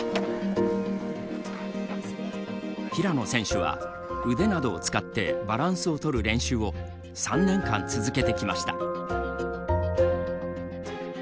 平野選手は腕などを使ってバランスを取る練習を３年間続けてきました。